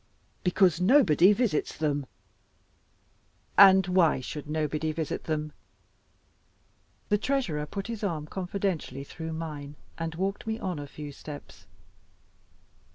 "Because nobody visits them." "And why should nobody visit them?" The Treasurer put his arm confidentially through mine, and walked me on a few steps.